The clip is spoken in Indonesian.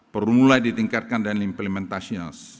perlu mulai ditingkatkan dan implementational